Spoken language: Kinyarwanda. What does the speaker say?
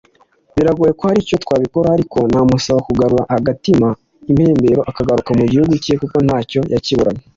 biragoye ko hari icyo twabikoraho ariko namusaba kugarura agatima impembero akagaruka mu gihugu cye kuko nta cyo yakiburanye